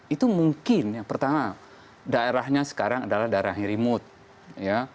itu mungkin yang pertama daerahnya sekarang adalah daerah yang remote